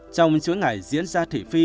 trong chuỗi ngày diễn ra thỉ phi